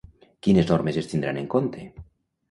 Quines normes es tindran en compte?